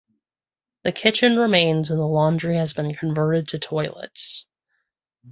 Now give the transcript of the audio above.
The kitchen remains and the laundry has been converted to toilets.